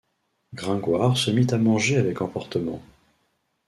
Gringoire se mit à manger avec emportement.